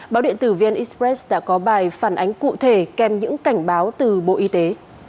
báo điện tử viên express đã có bài phản ánh cụ thể kèm những cảnh báo từ bộ y tế